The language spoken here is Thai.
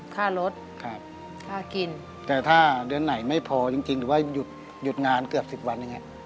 ค่ารสค่ากินแต่ถ้าเดือนไหนไม่พอจริงหรือว่าหยุดงานเกือบ๑๐วัน